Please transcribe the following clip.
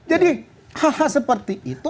jadi hal hal seperti itu